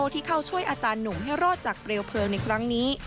ที่เข้าช่วยอาจารย์หนุ่มให้รอดจากเปลวเพลิงในครั้งนี้